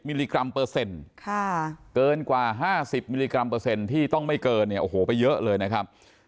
มิลลิกรัมเปอร์เซ็นต์เกินกว่า๕๐มิลลิกรัมเปอร์เซ็นต์ที่ต้องไม่เกินเนี่ยโอ้โหไปเยอะเลยนะครับ